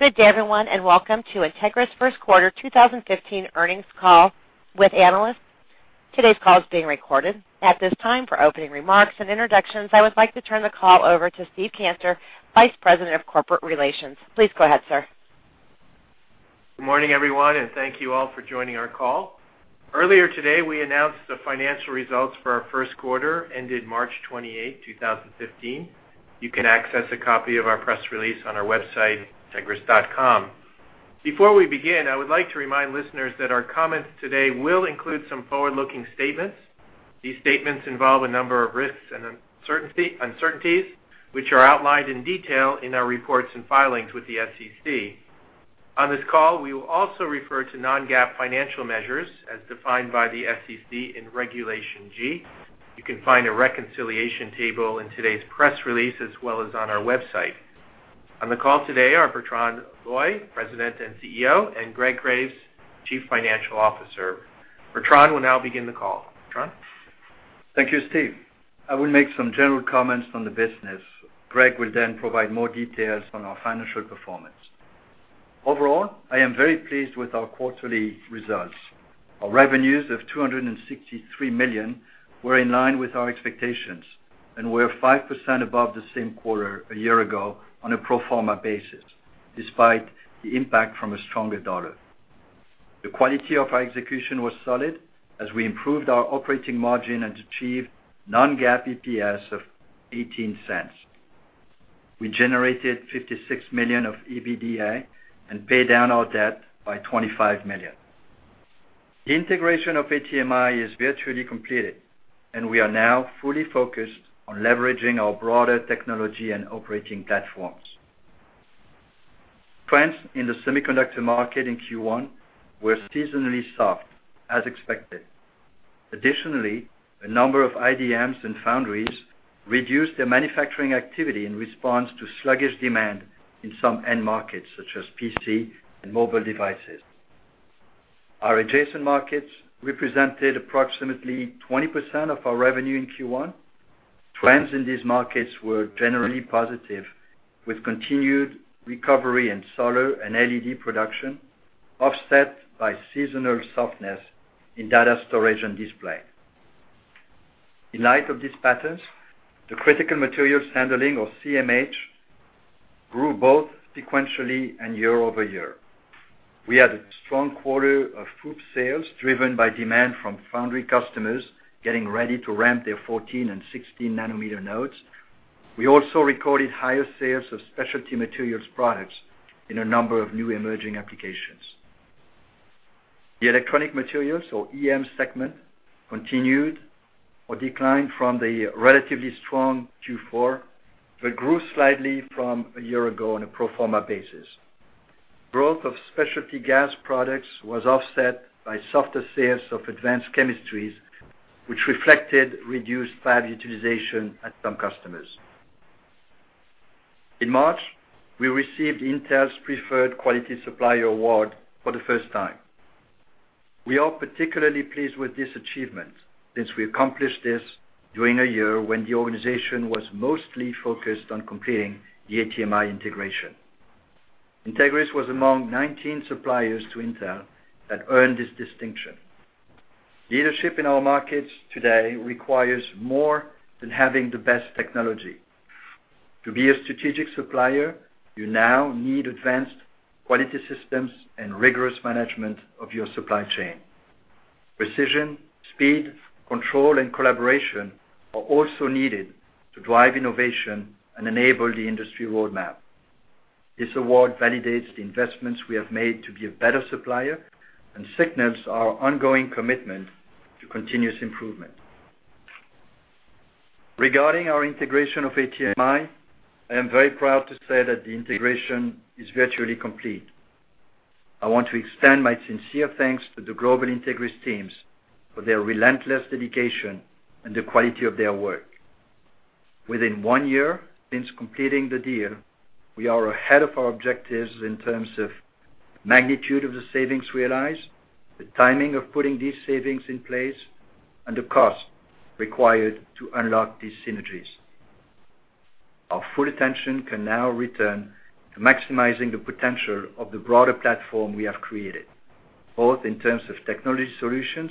Good day, everyone, and welcome to Entegris' first quarter 2015 earnings call with analysts. Today's call is being recorded. At this time, for opening remarks and introductions, I would like to turn the call over to Steve Cantor, Vice President of Corporate Relations. Please go ahead, sir. Good morning, everyone, and thank you all for joining our call. Earlier today, we announced the financial results for our first quarter ended March 28, 2015. You can access a copy of our press release on our website, entegris.com. Before we begin, I would like to remind listeners that our comments today will include some forward-looking statements. These statements involve a number of risks and uncertainties, which are outlined in detail in our reports and filings with the SEC. On this call, we will also refer to non-GAAP financial measures as defined by the SEC in Regulation G. You can find a reconciliation table in today's press release, as well as on our website. On the call today are Bertrand Loy, President and CEO, and Greg Graves, Chief Financial Officer. Bertrand will now begin the call. Bertrand? Thank you, Steve. I will make some general comments on the business. Greg will provide more details on our financial performance. Overall, I am very pleased with our quarterly results. Our revenues of $263 million were in line with our expectations and were 5% above the same quarter a year ago on a pro forma basis, despite the impact from a stronger dollar. The quality of our execution was solid as we improved our operating margin and achieved non-GAAP EPS of $0.18. We generated $56 million of EBITDA and paid down our debt by $25 million. The integration of ATMI is virtually completed, and we are now fully focused on leveraging our broader technology and operating platforms. Trends in the semiconductor market in Q1 were seasonally soft as expected. Additionally, a number of IDMs and foundries reduced their manufacturing activity in response to sluggish demand in some end markets, such as PC and mobile devices. Our adjacent markets represented approximately 20% of our revenue in Q1. Trends in these markets were generally positive, with continued recovery in solar and LED production offset by seasonal softness in data storage and display. In light of these patterns, the critical materials handling, or CMH, grew both sequentially and year-over-year. We had a strong quarter of FOUP sales driven by demand from foundry customers getting ready to ramp their 14 and 16 nanometer nodes. We also recorded higher sales of specialty materials products in a number of new emerging applications. The electronic materials, or EM segment, declined from the relatively strong Q4, but grew slightly from a year ago on a pro forma basis. Growth of specialty gas products was offset by softer sales of advanced chemistries, which reflected reduced fab utilization at some customers. In March, we received Intel's Preferred Quality Supplier Award for the first time. We are particularly pleased with this achievement since we accomplished this during a year when the organization was mostly focused on completing the ATMI integration. Entegris was among 19 suppliers to Intel that earned this distinction. Leadership in our markets today requires more than having the best technology. To be a strategic supplier, you now need advanced quality systems and rigorous management of your supply chain. Precision, speed, control, and collaboration are also needed to drive innovation and enable the industry roadmap. This award validates the investments we have made to be a better supplier and signals our ongoing commitment to continuous improvement. Regarding our integration of ATMI, I am very proud to say that the integration is virtually complete. I want to extend my sincere thanks to the global Entegris teams for their relentless dedication and the quality of their work. Within one year since completing the deal, we are ahead of our objectives in terms of magnitude of the savings realized, the timing of putting these savings in place, and the cost required to unlock these synergies. Our full attention can now return to maximizing the potential of the broader platform we have created, both in terms of technology solutions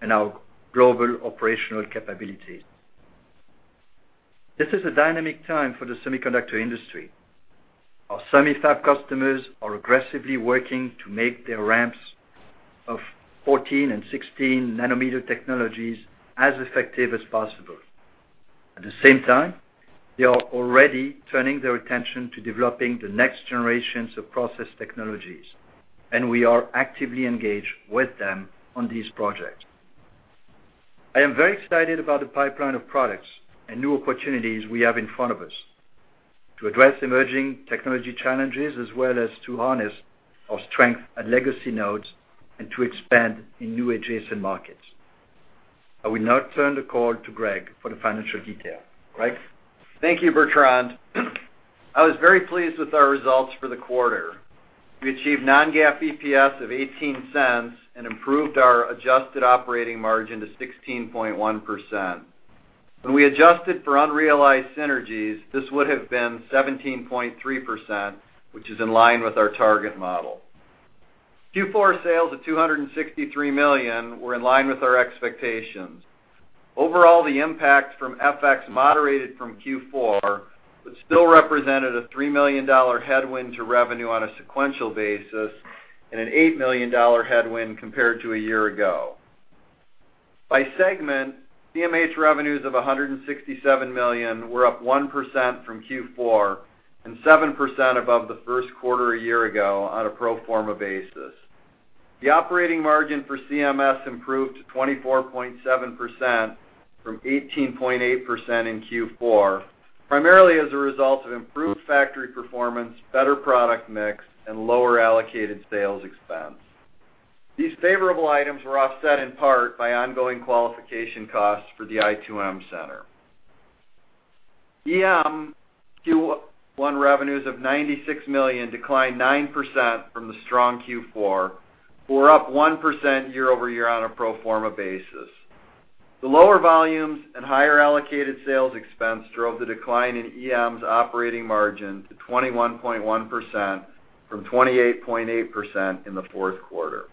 and our global operational capabilities. This is a dynamic time for the semiconductor industry. Our semi fab customers are aggressively working to make their ramps of 14 and 16 nanometer technologies as effective as possible. At the same time, they are already turning their attention to developing the next generations of process technologies, we are actively engaged with them on these projects. I am very excited about the pipeline of products and new opportunities we have in front of us to address emerging technology challenges, as well as to harness our strength at legacy nodes and to expand in new adjacent markets. I will now turn the call to Greg for the financial detail. Greg? Thank you, Bertrand. I was very pleased with our results for the quarter. We achieved non-GAAP EPS of $0.18 and improved our adjusted operating margin to 16.1%. When we adjusted for unrealized synergies, this would have been 17.3%, which is in line with our target model. Q4 sales of $263 million were in line with our expectations. Overall, the impact from FX moderated from Q4, but still represented a $3 million headwind to revenue on a sequential basis and an $8 million headwind compared to a year ago. By segment, CMH revenues of $167 million were up 1% from Q4 and 7% above the first quarter a year ago on a pro forma basis. The operating margin for SCEM improved to 24.7% from 18.8% in Q4, primarily as a result of improved factory performance, better product mix, and lower allocated sales expense. These favorable items were offset in part by ongoing qualification costs for the i2M Center. EM Q1 revenues of $96 million declined 9% from the strong Q4, were up 1% year-over-year on a pro forma basis. The lower volumes and higher allocated sales expense drove the decline in EM's operating margin to 21.1% from 28.8% in the fourth quarter.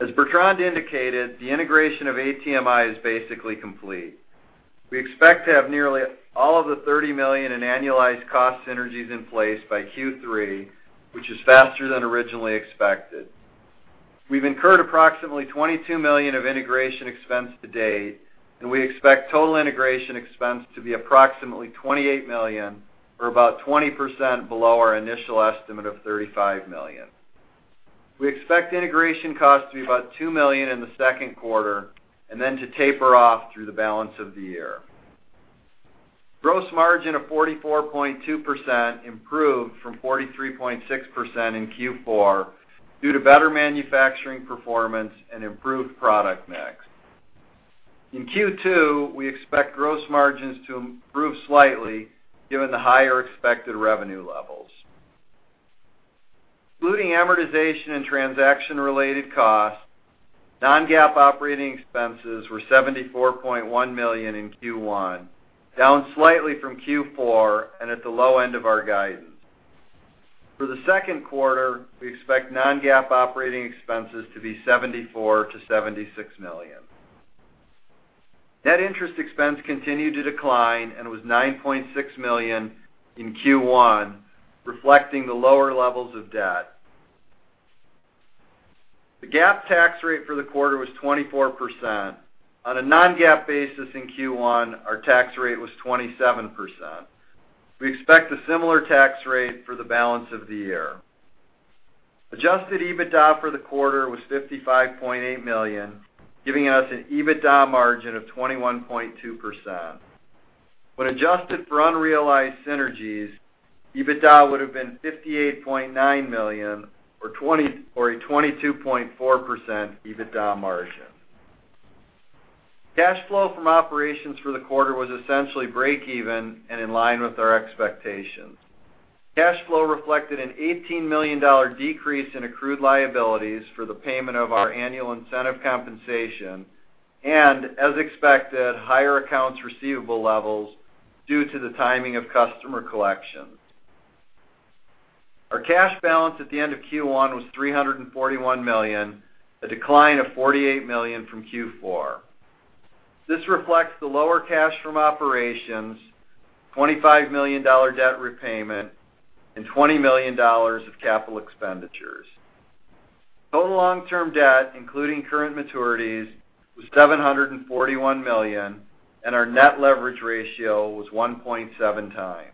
As Bertrand indicated, the integration of ATMI is basically complete. We expect to have nearly all of the $30 million in annualized cost synergies in place by Q3, which is faster than originally expected. We've incurred approximately $22 million of integration expense to date, and we expect total integration expense to be approximately $28 million or about 20% below our initial estimate of $35 million. We expect integration costs to be about $2 million in the second quarter and then to taper off through the balance of the year. Gross margin of 44.2% improved from 43.6% in Q4 due to better manufacturing performance and improved product mix. In Q2, we expect gross margins to improve slightly given the higher expected revenue levels. Excluding amortization and transaction-related costs, non-GAAP operating expenses were $74.1 million in Q1, down slightly from Q4 and at the low end of our guidance. For the second quarter, we expect non-GAAP operating expenses to be $74 million-$76 million. Net interest expense continued to decline and was $9.6 million in Q1, reflecting the lower levels of debt. The GAAP tax rate for the quarter was 24%. On a non-GAAP basis in Q1, our tax rate was 27%. We expect a similar tax rate for the balance of the year. Adjusted EBITDA for the quarter was $55.8 million, giving us an EBITDA margin of 21.2%. When adjusted for unrealized synergies, EBITDA would have been $58.9 million or a 22.4% EBITDA margin. Cash flow from operations for the quarter was essentially break even and in line with our expectations. Cash flow reflected an $18 million decrease in accrued liabilities for the payment of our annual incentive compensation and, as expected, higher accounts receivable levels due to the timing of customer collections. Our cash balance at the end of Q1 was $341 million, a decline of $48 million from Q4. This reflects the lower cash from operations, $25 million debt repayment, and $20 million of capital expenditures. Total long-term debt, including current maturities, was $741 million, and our net leverage ratio was 1.7 times.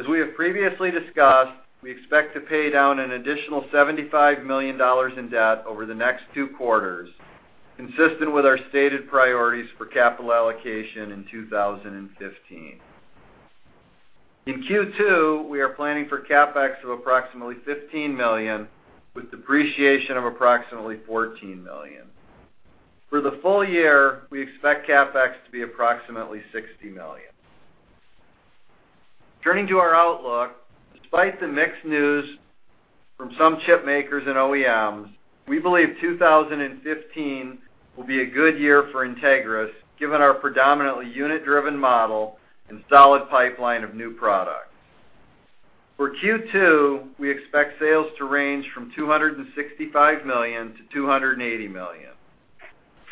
As we have previously discussed, we expect to pay down an additional $75 million in debt over the next two quarters, consistent with our stated priorities for capital allocation in 2015. In Q2, we are planning for CapEx of approximately $15 million, with depreciation of approximately $14 million. For the full year, we expect CapEx to be approximately $60 million. Turning to our outlook, despite the mixed news from some chip makers and OEMs, we believe 2015 will be a good year for Entegris, given our predominantly unit-driven model and solid pipeline of new products. For Q2, we expect sales to range from $265 million-$280 million.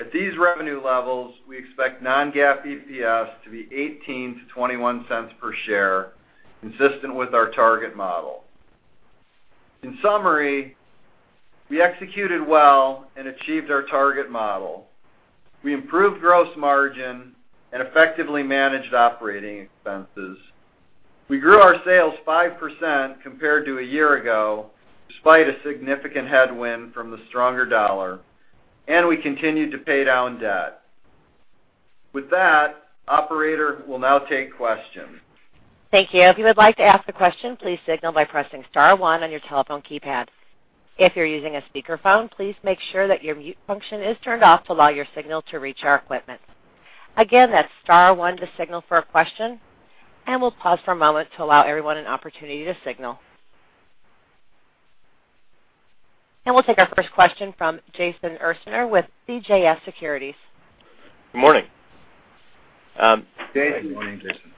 At these revenue levels, we expect non-GAAP EPS to be $0.18-$0.21 per share, consistent with our target model. In summary, we executed well and achieved our target model. We improved gross margin and effectively managed operating expenses. We grew our sales 5% compared to a year ago, despite a significant headwind from the stronger dollar, and we continued to pay down debt. With that, operator, we'll now take questions. Thank you. If you would like to ask a question, please signal by pressing *1 on your telephone keypad. If you're using a speakerphone, please make sure that your mute function is turned off to allow your signal to reach our equipment. Again, that's *1 to signal for a question, and we'll pause for a moment to allow everyone an opportunity to signal. We'll take our first question from Jason Ursner with CJS Securities. Good morning. Good morning, Jason.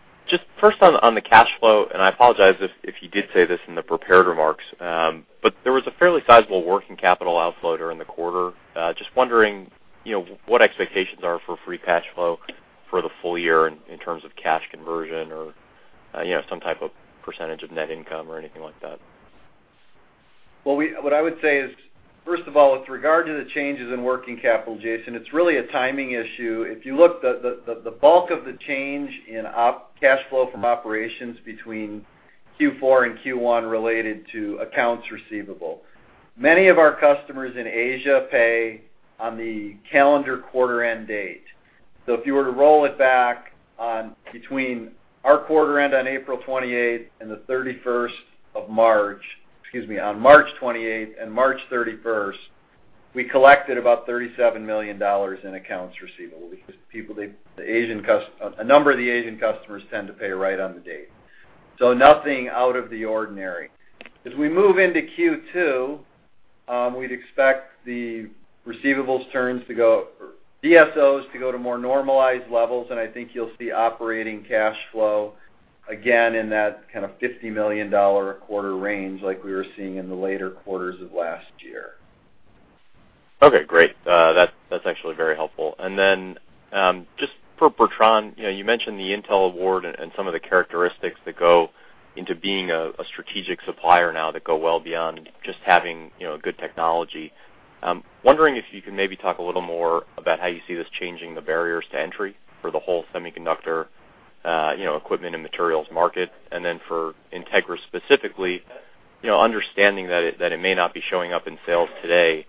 First on the cash flow, I apologize if you did say this in the prepared remarks, there was a fairly sizable working capital outflow during the quarter. Wondering, what expectations are for free cash flow for the full year in terms of cash conversion or some type of % of net income or anything like that? What I would say is, first of all, with regard to the changes in working capital, Jason, it's really a timing issue. If you look, the bulk of the change in cash flow from operations between Q4 and Q1 related to accounts receivable. Many of our customers in Asia pay on the calendar quarter-end date. If you were to roll it back between our quarter end on April 28 and March 31, excuse me, on March 28 and March 31, we collected about $37 million in accounts receivable because a number of the Asian customers tend to pay right on the date. Nothing out of the ordinary. As we move into Q2, we'd expect the receivables turns DSOs to go to more normalized levels, I think you'll see operating cash flow again in that kind of $50 million a quarter range like we were seeing in the later quarters of last year. Okay, great. That's actually very helpful. Then, for Bertrand, you mentioned the Intel Award and some of the characteristics that go into being a strategic supplier now that go well beyond just having good technology. I'm wondering if you can maybe talk a little more about how you see this changing the barriers to entry for the whole semiconductor equipment and materials market. Then for Entegris specifically, understanding that it may not be showing up in sales today,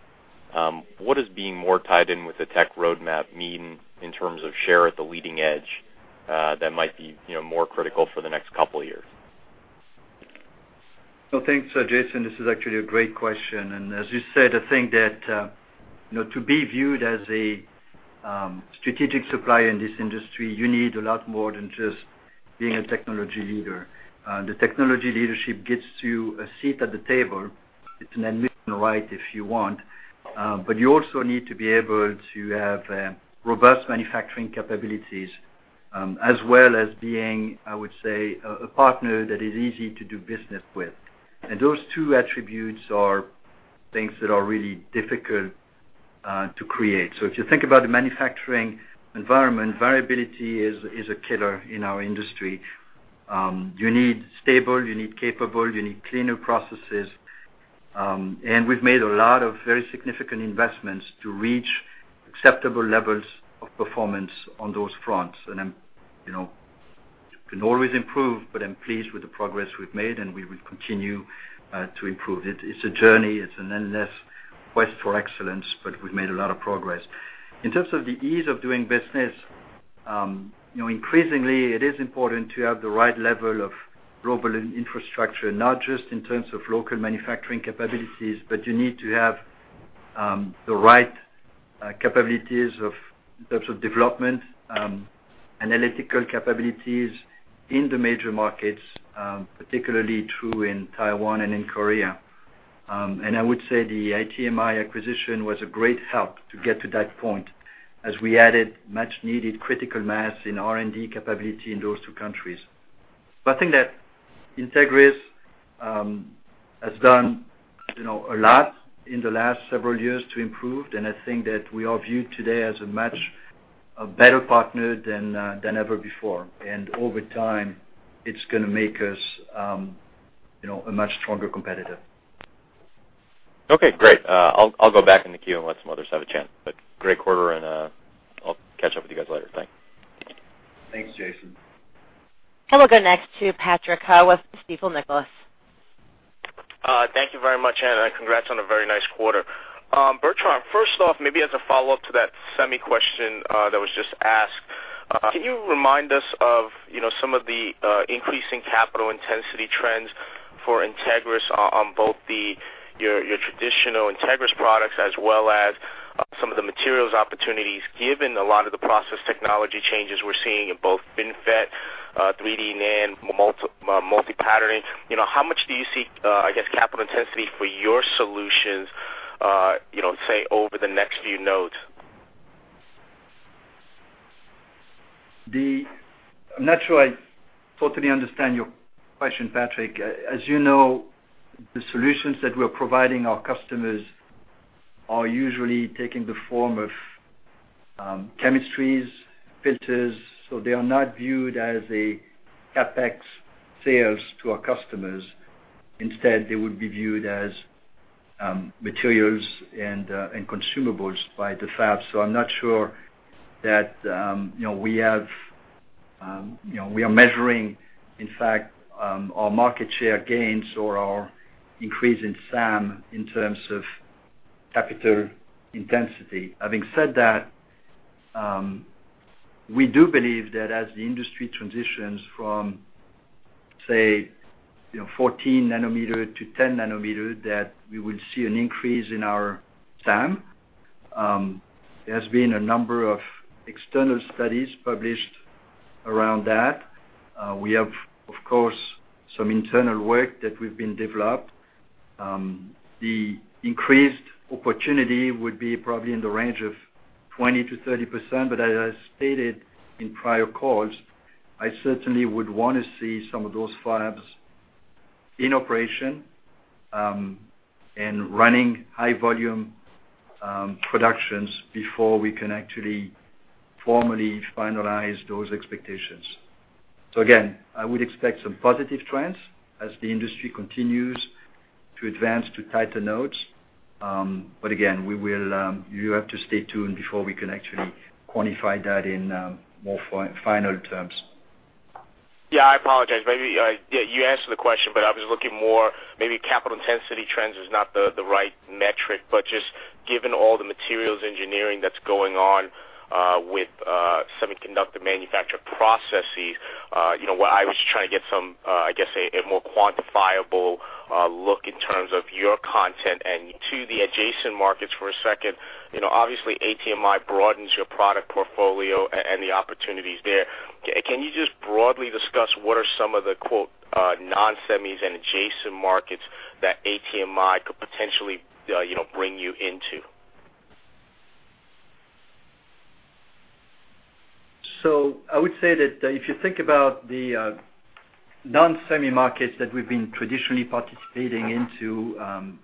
what does being more tied in with the tech roadmap mean in terms of share at the leading edge that might be more critical for the next couple of years? Thanks, Jason. This is actually a great question. As you said, I think that to be viewed as a strategic supplier in this industry, you need a lot more than just being a technology leader. The technology leadership gets you a seat at the table. It's an admission, right, if you want. You also need to be able to have robust manufacturing capabilities, as well as being, I would say, a partner that is easy to do business with. Those two attributes are things that are really difficult to create. If you think about the manufacturing environment, variability is a killer in our industry. You need stable, you need capable, you need cleaner processes. We've made a lot of very significant investments to reach acceptable levels of performance on those fronts. You can always improve, but I'm pleased with the progress we've made, and we will continue to improve it. It's a journey. It's an endless quest for excellence, but we've made a lot of progress. In terms of the ease of doing business, increasingly it is important to have the right level of global infrastructure, not just in terms of local manufacturing capabilities, but you need to have the right capabilities in terms of development, analytical capabilities in the major markets, particularly true in Taiwan and in Korea. I would say the ATMI acquisition was a great help to get to that point as we added much needed critical mass in R&D capability in those two countries. I think that Entegris has done a lot in the last several years to improve, and I think that we are viewed today as a much better partner than ever before. Over time, it's going to make us a much stronger competitor. Okay, great. I'll go back in the queue and let some others have a chance. Great quarter, and I'll catch up with you guys later. Thanks. Thanks, Jason. We'll go next to Patrick Ho with Stifel Nicolaus. Thank you very much, Anne, and congrats on a very nice quarter. Bertrand, first off, maybe as a follow-up to that semi question that was just asked, can you remind us of some of the increasing capital intensity trends for Entegris on both your traditional Entegris products as well as some of the materials opportunities, given a lot of the process technology changes we're seeing in both FinFET, 3D NAND, multi-patterning? How much do you see, I guess, capital intensity for your solutions, say, over the next few nodes? I'm not sure I totally understand your question, Patrick. As you know, the solutions that we're providing our customers are usually taking the form of chemistries, filters. They are not viewed as a CapEx sales to our customers. Instead, they would be viewed as materials and consumables by the fabs. I'm not sure that we are measuring, in fact, our market share gains or our increase in SAM, in terms of capital intensity. Having said that, we do believe that as the industry transitions from, say, 14 nanometer to 10 nanometer, that we will see an increase in our SAM There has been a number of external studies published around that. We have, of course, some internal work that we've been developed. The increased opportunity would be probably in the range of 20%-30%, but as I stated in prior calls, I certainly would want to see some of those fabs in operation and running high volume productions before we can actually formally finalize those expectations. Again, I would expect some positive trends as the industry continues to advance to tighter nodes. Again, you have to stay tuned before we can actually quantify that in more final terms. I apologize. Maybe you answered the question, but I was looking more, maybe capital intensity trends is not the right metric, but just given all the materials engineering that's going on with semiconductor manufacture processes, what I was trying to get some, I guess, a more quantifiable look in terms of your content. To the adjacent markets for a second, obviously ATMI broadens your product portfolio and the opportunities there. Can you just broadly discuss what are some of the "non-semis" and adjacent markets that ATMI could potentially bring you into? I would say that if you think about the non-semi markets that we've been traditionally participating into,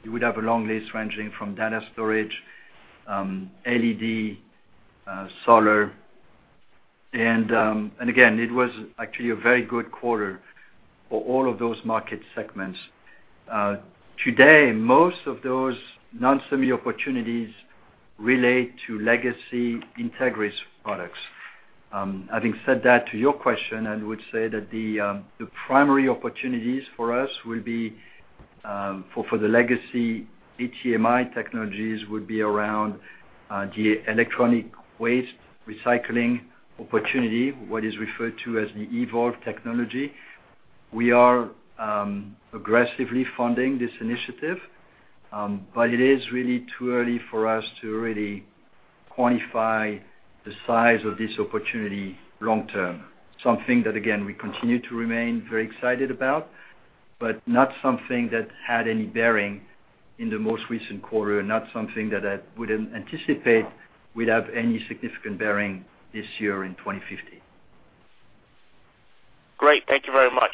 you would have a long list ranging from data storage, LED, solar. Again, it was actually a very good quarter for all of those market segments. Today, most of those non-semi opportunities relate to legacy Entegris products. Having said that, to your question, I would say that the primary opportunities for us will be for the legacy ATMI technologies would be around the electronic waste recycling opportunity, what is referred to as the eVOLV technology. We are aggressively funding this initiative, but it is really too early for us to really quantify the size of this opportunity long term. Something that, again, we continue to remain very excited about, but not something that had any bearing in the most recent quarter, and not something that I would anticipate would have any significant bearing this year in 2015. Great. Thank you very much.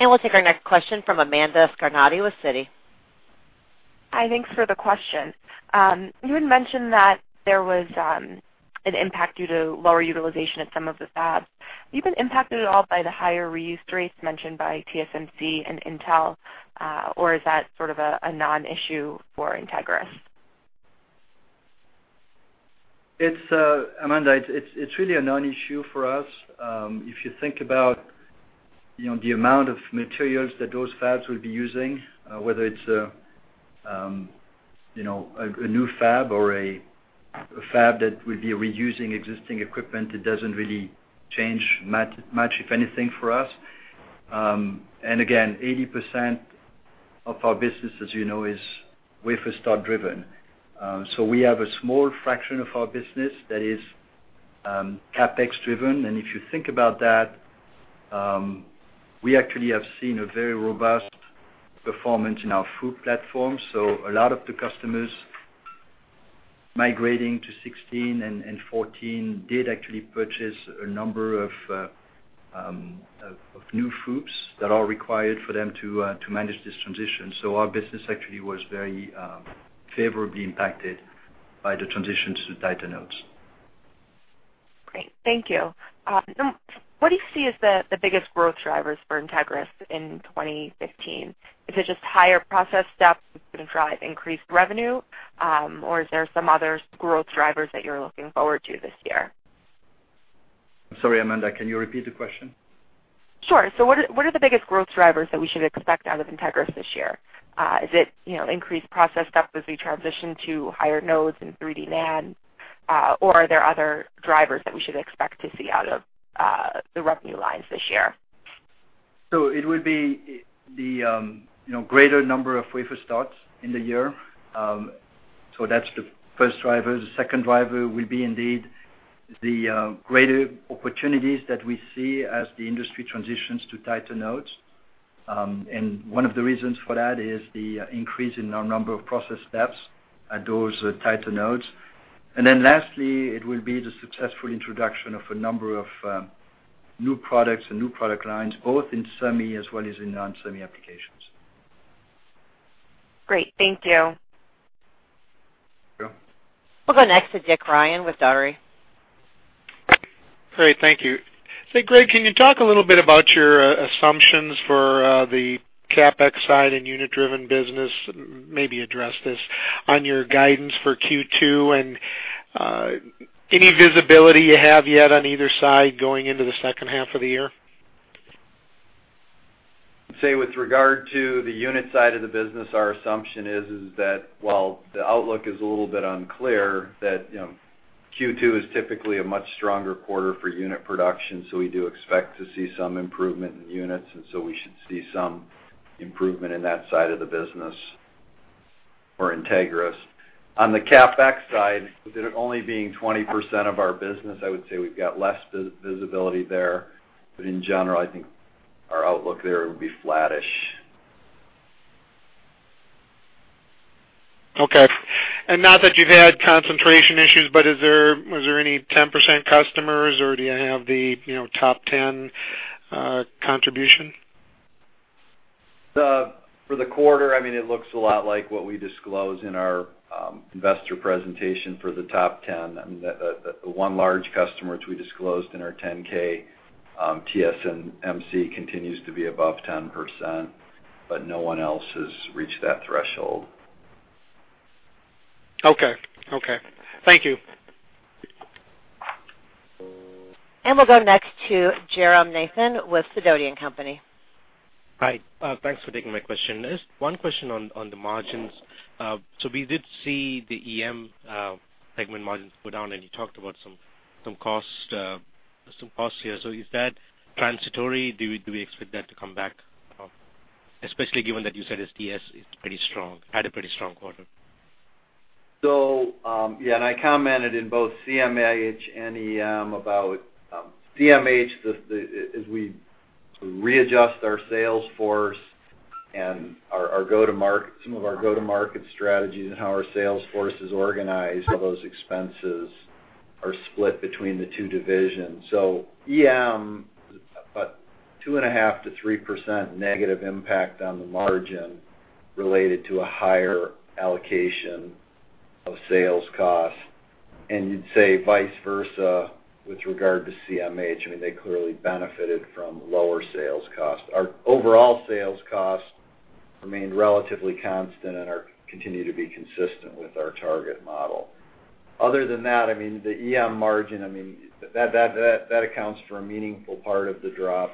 We'll take our next question from Amanda Scarnati with Citi. Hi, thanks for the question. You had mentioned that there was an impact due to lower utilization at some of the fabs. Have you been impacted at all by the higher reuse rates mentioned by TSMC and Intel, or is that sort of a non-issue for Entegris? Amanda, it's really a non-issue for us. If you think about the amount of materials that those fabs will be using, whether it's a new fab or a fab that will be reusing existing equipment, it doesn't really change much, if anything, for us. Again, 80% of our business, as you know, is wafer start driven. We have a small fraction of our business that is CapEx driven. If you think about that, we actually have seen a very robust performance in our FOUP platform. A lot of the customers migrating to 16 and 14 did actually purchase a number of new FOUPs that are required for them to manage this transition. Our business actually was very favorably impacted by the transition to tighter nodes. Great. Thank you. What do you see as the biggest growth drivers for Entegris in 2015? Is it just higher process steps that's going to drive increased revenue, or is there some other growth drivers that you're looking forward to this year? Sorry, Amanda, can you repeat the question? Sure. What are the biggest growth drivers that we should expect out of Entegris this year? Is it increased process steps as we transition to higher nodes and 3D NAND? Are there other drivers that we should expect to see out of the revenue lines this year? It would be the greater number of wafer starts in the year. That's the first driver. The second driver will be indeed the greater opportunities that we see as the industry transitions to tighter nodes. One of the reasons for that is the increase in our number of process steps at those tighter nodes. Lastly, it will be the successful introduction of a number of new products and new product lines, both in semi as well as in non-semi applications. Great. Thank you. Thank you. We'll go next to Dick Ryan with Dougherty. Great. Thank you. Say, Greg, can you talk a little bit about your assumptions for the CapEx side and unit-driven business? Maybe address this on your guidance for Q2 and any visibility you have yet on either side going into the second half of the year. I'd say with regard to the unit side of the business, our assumption is that while the outlook is a little bit unclear, that Q2 is typically a much stronger quarter for unit production, we do expect to see some improvement in units, we should see some improvement in that side of the business for Entegris. On the CapEx side, with it only being 20% of our business, I would say we've got less visibility there. In general, I think our outlook there would be flattish. Okay. Not that you've had concentration issues, but was there any 10% customers or do you have the top 10 contribution? For the quarter, it looks a lot like what we disclose in our investor presentation for the top 10. The one large customer, which we disclosed in our 10-K, TSMC, continues to be above 10%, no one else has reached that threshold. Okay. Thank you. We'll go next to Jerome Nathan with Dodian Company. Hi. Thanks for taking my question. Just one question on the margins. We did see the EM segment margins go down, and you talked about some costs here. Is that transitory? Do we expect that to come back, especially given that you said SDS had a pretty strong quarter? Yeah. I commented in both CMH and EM about, CMH, as we readjust our sales force and some of our go-to-market strategies and how our sales force is organized, how those expenses are split between the two divisions. EM, about 2.5%-3% negative impact on the margin related to a higher allocation of sales costs. You'd say vice versa with regard to CMH. They clearly benefited from lower sales costs. Our overall sales costs remained relatively constant and continue to be consistent with our target model. Other than that, the EM margin, that accounts for a meaningful part of the drop.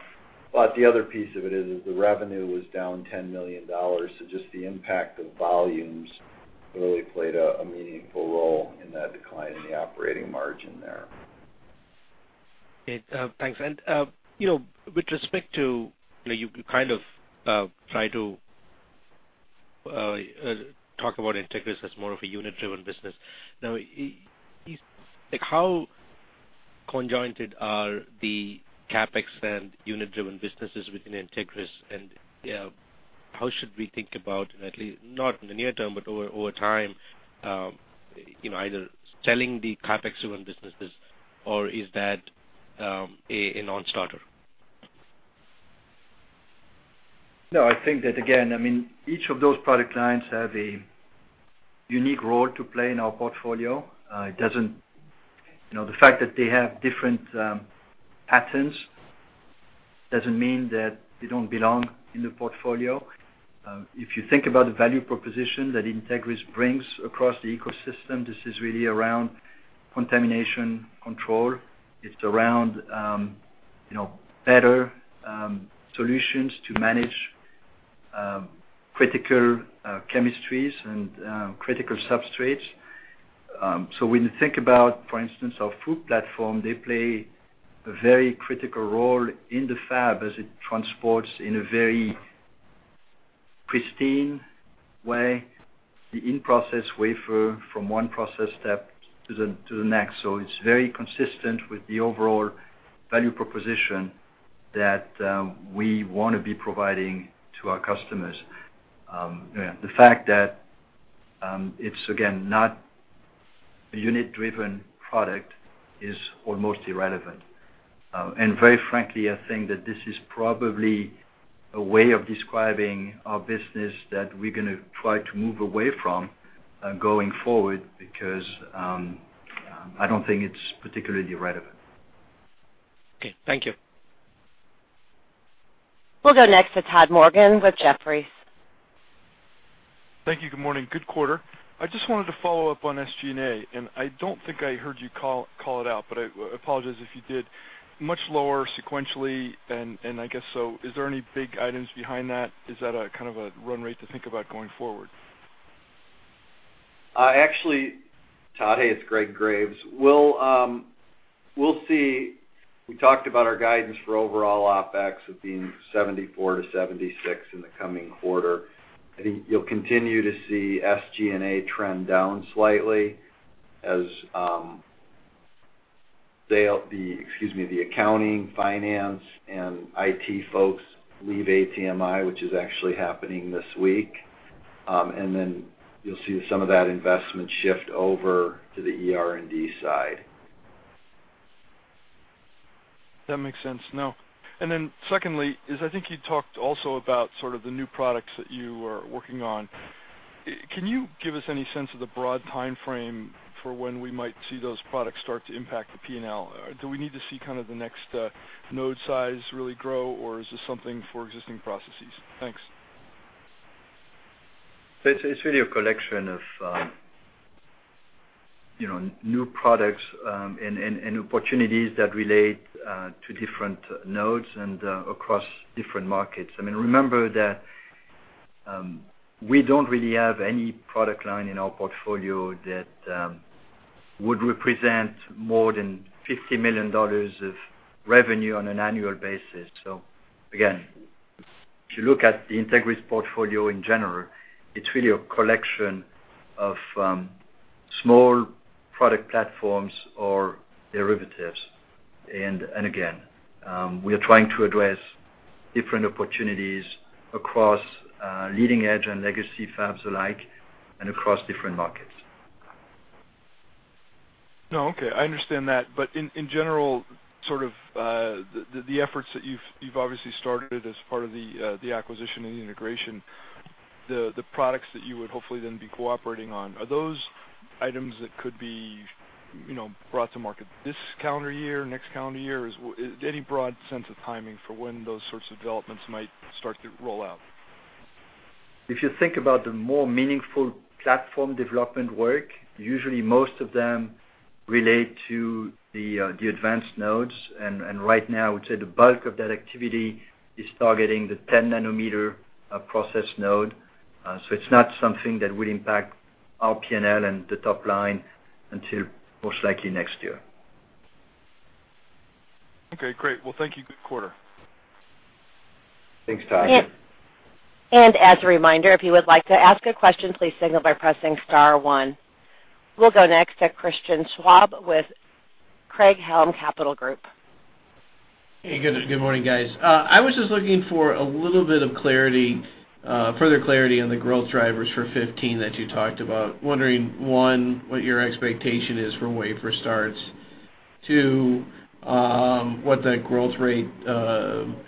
The other piece of it is the revenue was down $10 million. Just the impact of volumes really played a meaningful role in that decline in the operating margin there. Thanks. With respect to, you kind of try to talk about Entegris as more of a unit-driven business. How conjoined are the CapEx and unit-driven businesses within Entegris? How should we think about, not in the near term, but over time, either selling the CapEx-driven businesses, or is that a non-starter? I think that, again, each of those product lines have a unique role to play in our portfolio. The fact that they have different patterns doesn't mean that they don't belong in the portfolio. If you think about the value proposition that Entegris brings across the ecosystem, this is really around contamination control. It's around better solutions to manage critical chemistries and critical substrates. When you think about, for instance, our FOUP platform, they play a very critical role in the fab as it transports in a very pristine way, the in-process wafer from one process step to the next. It's very consistent with the overall value proposition that we want to be providing to our customers. The fact that it's, again, not a unit-driven product is almost irrelevant. Very frankly, I think that this is probably a way of describing our business that we're going to try to move away from going forward, because I don't think it's particularly relevant. Thank you. We'll go next to Todd Morgan with Jefferies. Thank you. Good morning. Good quarter. I just wanted to follow up on SG&A, and I don't think I heard you call it out, but I apologize if you did. Much lower sequentially, and I guess, so is there any big items behind that? Is that a kind of a run rate to think about going forward? Actually, Todd, hey, it's Greg Graves. We'll see. We talked about our guidance for overall OpEx as being 74 to 76 in the coming quarter. I think you'll continue to see SG&A trend down slightly as the accounting, finance, and IT folks leave ATMI, which is actually happening this week. Then you'll see some of that investment shift over to the ER&D side. That makes sense. Secondly is, I think you talked also about sort of the new products that you are working on. Can you give us any sense of the broad timeframe for when we might see those products start to impact the P&L? Do we need to see kind of the next node size really grow, or is this something for existing processes? Thanks. It's really a collection of new products and opportunities that relate to different nodes and across different markets. Remember that we don't really have any product line in our portfolio that would represent more than $50 million of revenue on an annual basis. Again, if you look at the Entegris portfolio in general, it's really a collection of small product platforms or derivatives. Again, we are trying to address different opportunities across leading-edge and legacy fabs alike, and across different markets. No, okay. I understand that. In general, sort of, the efforts that you've obviously started as part of the acquisition and the integration, the products that you would hopefully then be cooperating on, are those items that could be brought to market this calendar year, next calendar year? Any broad sense of timing for when those sorts of developments might start to roll out? If you think about the more meaningful platform development work, usually most of them relate to the advanced nodes. Right now, I would say the bulk of that activity is targeting the 10-nanometer process node. It's not something that will impact our P&L and the top line until most likely next year. Okay, great. Well, thank you. Good quarter. Thanks, Todd. As a reminder, if you would like to ask a question, please signal by pressing star one. We'll go next to Christian Schwab with Craig-Hallum Capital Group. Hey, good morning, guys. I was just looking for a little bit of further clarity on the growth drivers for 2015 that you talked about. Wondering, 1, what your expectation is for wafer starts. 2, what that growth rate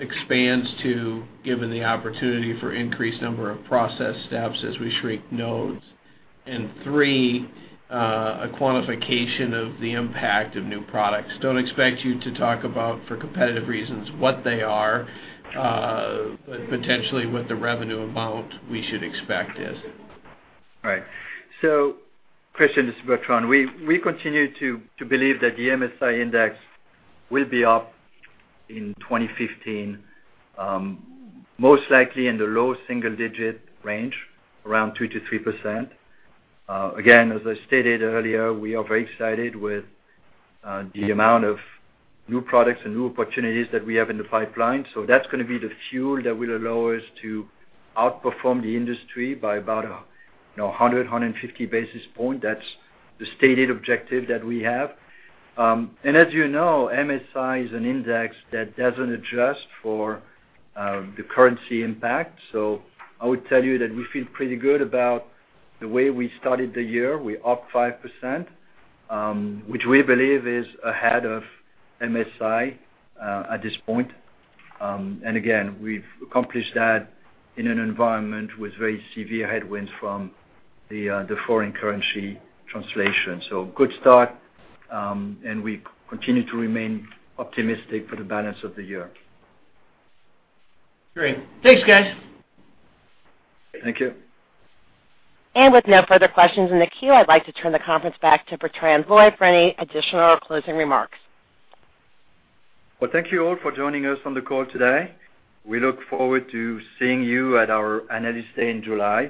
expands to, given the opportunity for increased number of process steps as we shrink nodes. 3, a quantification of the impact of new products. Don't expect you to talk about, for competitive reasons, what they are, but potentially what the revenue amount we should expect is. Right. Christian, this is Bertrand. We continue to believe that the MSI index will be up in 2015, most likely in the low single-digit range, around 2%-3%. As I stated earlier, we are very excited with the amount of new products and new opportunities that we have in the pipeline. That's going to be the fuel that will allow us to outperform the industry by about 100, 150 basis points. That's the stated objective that we have. As you know, MSI is an index that doesn't adjust for the currency impact. I would tell you that we feel pretty good about the way we started the year. We're up 5%, which we believe is ahead of MSI at this point. Again, we've accomplished that in an environment with very severe headwinds from the foreign currency translation. Good start, we continue to remain optimistic for the balance of the year. Great. Thanks, guys. Thank you. With no further questions in the queue, I'd like to turn the conference back to Bertrand Loy for any additional closing remarks. Well, thank you all for joining us on the call today. We look forward to seeing you at our Analyst Day in July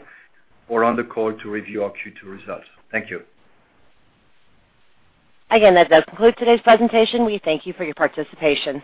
or on the call to review our Q2 results. Thank you. Again, that does conclude today's presentation. We thank you for your participation.